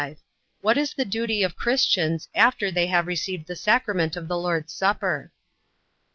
What is the duty of Christians, after they have received the sacrament of the Lord's supper?